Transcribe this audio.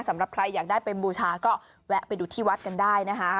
สำหรับใครอยากได้ไปบูชาก็แวะไปดูที่วัดกันได้นะคะ